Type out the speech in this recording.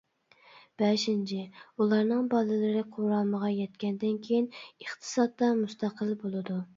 بەشىنچى، ئۇلارنىڭ بالىلىرى قۇرامىغا يەتكەندىن كېيىن ئىقتىسادتا مۇستەقىل بولىدۇ.